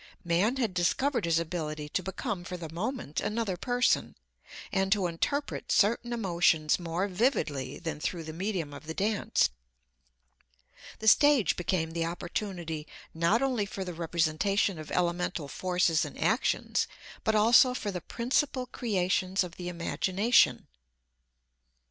Man had discovered his ability to become for the moment another person, and to interpret certain emotions more vividly than through the medium of the dance. The stage became the opportunity not only for the representation of elemental forces and actions, but also for the principal creations of the imagination.